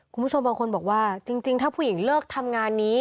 คุณผู้ชมบางคนบอกว่าจริงถ้าผู้หญิงเลิกทำงานนี้